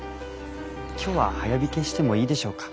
今日は早引けしてもいいでしょうか？